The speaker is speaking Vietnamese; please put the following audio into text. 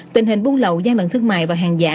tình hình buôn lậu gian lận thương mại và hàng giả